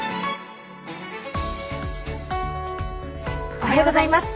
おはようございます。